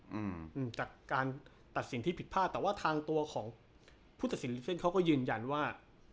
อืมจากการตัดสินที่ผิดพลาดแต่ว่าทางตัวของผู้ตัดสินลิเซ่นเขาก็ยืนยันว่า